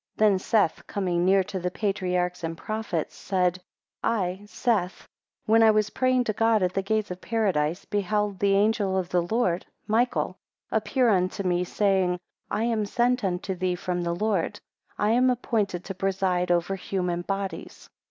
3 Then Seth, coming near to the patriarchs and prophets, said, I, Seth, when I was praying to God at the gates of Paradise, beheld the angel of the Lord, Michael, appear unto me, saying, I am sent unto thee from the Lord; I am appointed to preside over human bodies.